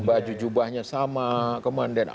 baju jubahnya sama kemudian